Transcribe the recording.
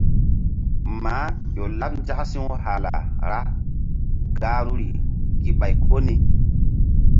Maah ƴo laɓ nzak si̧w hala ra̧h gahruri gi ɓay ko ni.